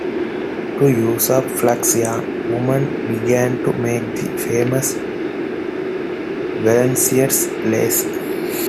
To use up flax yarn, women began to make the famous Valenciennes lace.